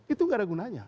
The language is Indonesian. itu gak ada gunanya